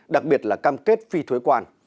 đặc biệt là cam kết phi thuế quan